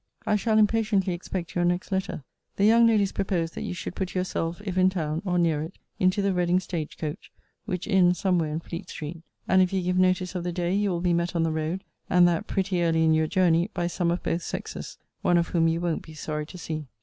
I shall impatiently expect your next letter. The young ladies proposed that you should put yourself, if in town, or near it, into the Reading stage coach, which inns somewhere in Fleet street: and, if you give notice of the day, you will be met on the road, and that pretty early in your journey, by some of both sexes; one of whom you won't be sorry to see.